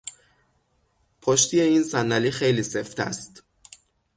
پشتی این صندلی خیلی سفت است.